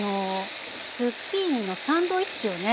ズッキーニのサンドイッチをね